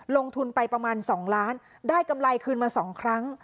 ลงทุนไปประมาณ๒ล้านได้กำไรคืนมา๒ครั้ง